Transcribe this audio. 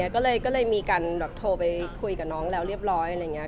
ก็เลยมีการโทรไปคุยกับน้องแล้วเรียบร้อย